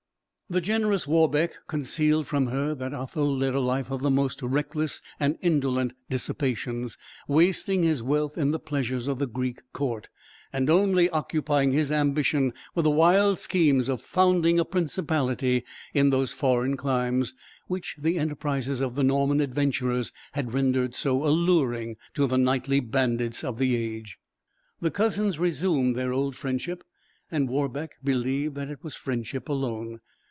The generous Warbeck concealed from her that Otho led a life of the most reckless and indolent dissipations wasting his wealth in the pleasures of the Greek court, and only occupying his ambition with the wild schemes of founding a principality in those foreign climes, which the enterprises of the Norman adventurers had rendered so alluring to the knightly bandits of the age. The cousins resumed their old friendship, and Warbeck believed that it was friendship alone.